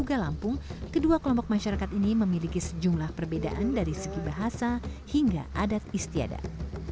warga lampung kedua kelompok masyarakat ini memiliki sejumlah perbedaan dari segi bahasa hingga adat istiadat